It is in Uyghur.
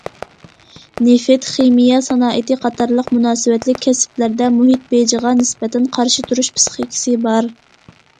نېفىت- خىمىيە سانائىتى قاتارلىق مۇناسىۋەتلىك كەسىپلەردە مۇھىت بېجىغا نىسبەتەن قارشى تۇرۇش پىسخىكىسى بار.